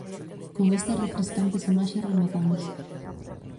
Con estas refrescantes imaxes rematamos.